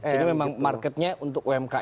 jadi memang marketnya untuk umkm ya